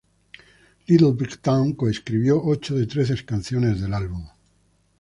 Little Big Town co-escribió ocho de trece canciones del álbum.